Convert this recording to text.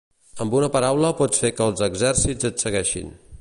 Amb una paraula pots fer que els exèrcits et segueixin.